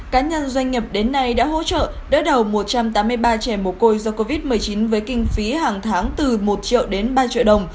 cá nhân doanh nghiệp đến nay đã hỗ trợ đỡ đầu một trăm tám mươi ba trẻ mồ côi do covid một mươi chín với kinh phí hàng tháng từ một triệu đến ba triệu đồng